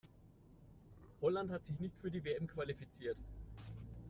Holland hat sich nicht für die WM qualifiziert.